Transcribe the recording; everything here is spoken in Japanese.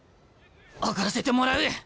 上がらせてもらう！